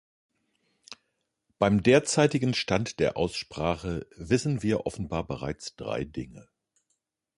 Beim derzeitigen Stand der Aussprache wissen wir offenbar bereits drei Dinge.